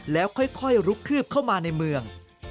แล้วค่อยลุกคืบเข้ามาในเมือง